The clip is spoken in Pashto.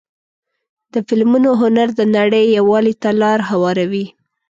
د فلمونو هنر د نړۍ یووالي ته لاره هواروي.